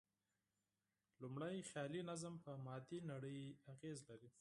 لومړی، خیالي نظم په مادي نړۍ اغېز لري.